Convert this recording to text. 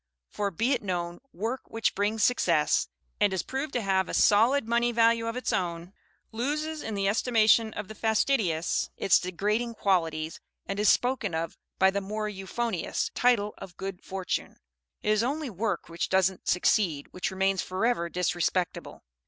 For, be it known, work which brings success, and is proved to have a solid money value of its own, loses in the estimation of the fastidious its degrading qualities, and is spoken of by the more euphonious title of "good fortune." It is only work which doesn't succeed, which remains forever disrespectable.